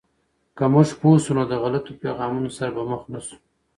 که موږ پوه شو، نو د غلطو پیغامونو سره به مخ نسو.